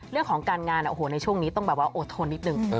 เรื่องของการงานโอ้โหในช่วงนี้ต้องแบบว่าอดทนนิดนึง